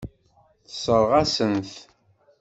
Tessṛeɣ-asen-t.